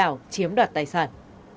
đảo chiếm đoạt tài sản